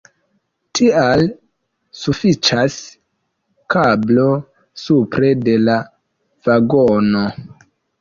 Tial sufiĉas kablo supre de la vagono.